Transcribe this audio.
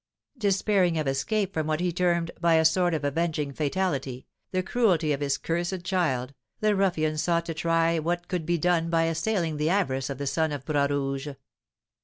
Despairing of escape from what he termed, by a sort of avenging fatality, the cruelty of his cursed child, the ruffian sought to try what could be done by assailing the avarice of the son of Bras Rouge.